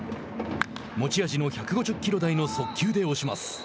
持ち味の１５０キロ台の速球で押します。